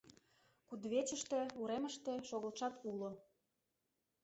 Кудывечыште, уремыште шогылтшат уло.